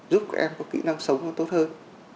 giúp các em có kỹ năng sống tốt hơn